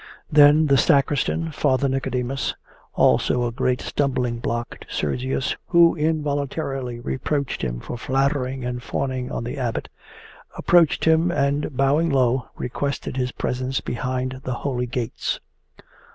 Then the sacristan, Father Nicodemus also a great stumbling block to Sergius who involuntarily reproached him for flattering and fawning on the Abbot approached him and, bowing low, requested his presence behind the holy gates.